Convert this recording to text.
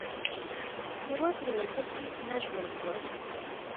هیواد مې له جهل نه ژغورل غواړي